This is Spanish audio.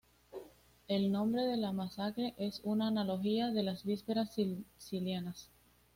El nombre de la masacre es una analogía de las Vísperas sicilianas.